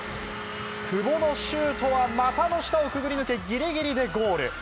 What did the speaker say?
久保のシュートは股の下をくぐり抜け、ぎりぎりでゴール。